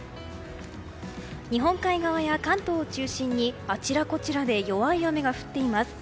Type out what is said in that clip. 日本海側や関東を中心にあちらこちらで弱い雨が降っています。